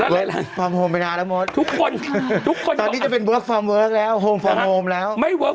เวิร์คฟอร์มโฮมไปนานแล้วหมดตอนนี้จะเป็นเวิร์คฟอร์มเวิร์คแล้วโฮมฟอร์มโฮมแล้ว